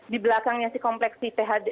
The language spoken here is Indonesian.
di belakangnya si kompleks si phd